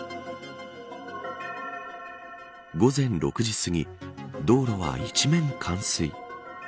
午前６時すぎ道路は一面冠水。